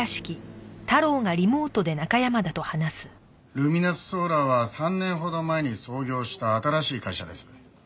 ルミナスソーラーは３年ほど前に創業した新しい会社です。